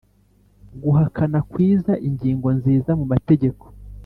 guhakana kwiza, ingingo nziza mumategeko